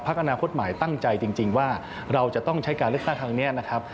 พระกำลังคตหมายตั้งใจจริงว่าเราจะต้องใช้การเลขทางทางนี้นะครับ